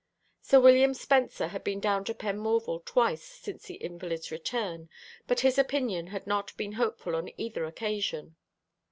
Sir William Spencer had been down to Penmorval twice since the invalid's return, but his opinion had not been hopeful on either occasion.